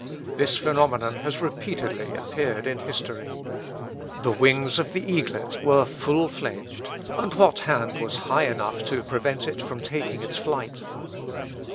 This phenomenon has repeatedly appeared in history. The wings of the eaglet were full fledged, and what hand was high enough to prevent it from taking its flight?